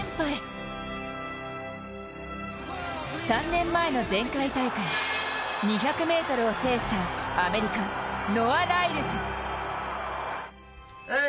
３年前の前回大会２００ｍを制したアメリカ、ノア・ライルズ。